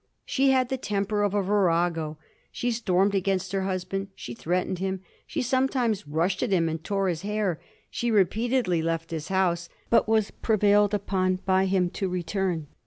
She had the temper of a virago; she stormed against her husband, she threatened him, she sometimes rushed at him and tore his hair ; she repeatedly left his house, but was prevailed upon by him to return.